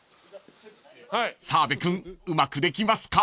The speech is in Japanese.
［澤部君うまくできますか？］